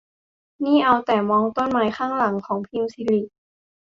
นี่เอาแต่มองต้นไม้ข้างหลังของพิมสิริ